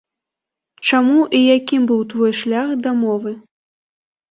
Чаму і якім быў твой шлях да мовы?